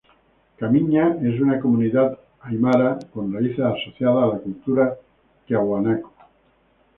Camiña es una comunidad aimara con raíces asociadas a la cultura tiahuanaco.